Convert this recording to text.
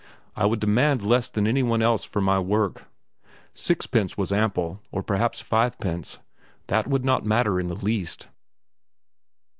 I would demand less than any one else for my work; sixpence was ample, or perhaps fivepence. That would not matter in the least.